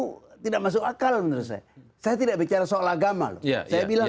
itu tidak masuk akal menurut saya saya tidak bicara soal agama loh saya bilang